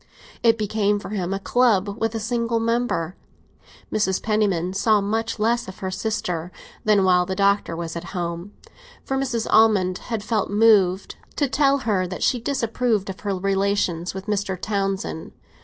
It became for him a club with a single member. Mrs. Penniman saw much less of her sister than while the Doctor was at home; for Mrs. Almond had felt moved to tell her that she disapproved of her relations with Mr. Townsend.